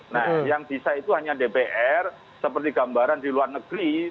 nah yang bisa itu hanya dpr seperti gambaran di luar negeri